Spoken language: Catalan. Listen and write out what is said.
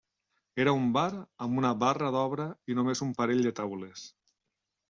Era un bar amb una barra d'obra i només un parell de taules.